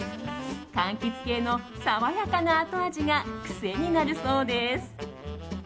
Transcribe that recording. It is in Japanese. かんきつ系の爽やかな後味が癖になるそうです。